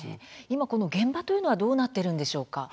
今、この現場というのはどうなっているんでしょうか？